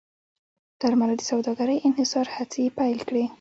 درملو د سوداګرۍ انحصار هڅې یې پیل کړې.